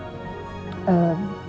atau gini aja ren